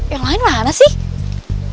yang lain mana sih